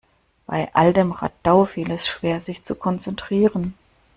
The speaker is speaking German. Bei all dem Radau fiel es schwer, sich zu konzentrieren.